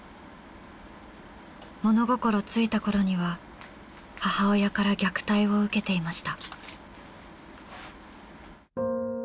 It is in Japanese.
物心ついたころには母親から虐待を受けていました。